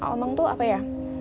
omang tuh apa ya